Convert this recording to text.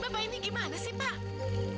bapak ini gimana sih pak